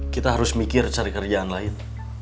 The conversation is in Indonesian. kita harus mikir cari kerjaan lain